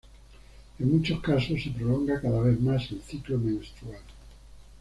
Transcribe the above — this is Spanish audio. En muchos casos, se prolonga cada vez más el ciclo menstrual.